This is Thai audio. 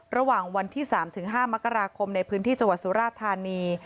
ระหว่างวันที่๓๕มกราคมในพื้นที่จังหวัดสุราธานี